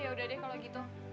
ya udah deh kalau gitu